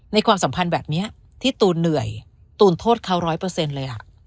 ความสัมพันธ์แบบนี้ที่ตูนเหนื่อยตูนโทษเขาร้อยเปอร์เซ็นต์เลย